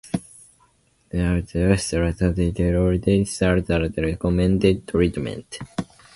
Despite these concerns, dilute acetic acid is still the recommended treatment.